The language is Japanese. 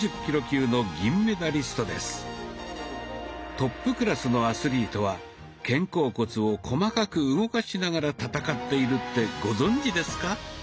トップクラスのアスリートは肩甲骨を細かく動かしながら戦っているってご存じですか？